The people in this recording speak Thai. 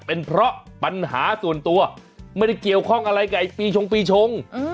เป็นเพราะปัญหาส่วนตัวไม่ได้เกี่ยวข้องอะไรกับปีชงปีชง